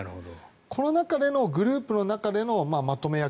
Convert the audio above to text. この中でのグループの中でのまとめ役